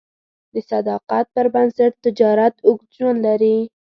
د صداقت پر بنسټ تجارت اوږد ژوند لري.